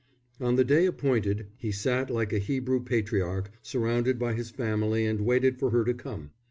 On the day appointed he sat like a Hebrew patriarch surrounded by his family and waited for her to come.